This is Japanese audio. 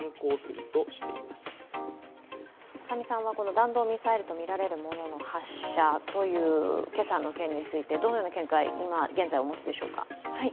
弾道ミサイルとみられるものの発射今朝の件についてどのような見解をお持ちでしょうか？